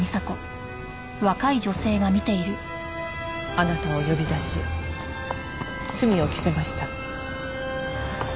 あなたを呼び出し罪を着せました。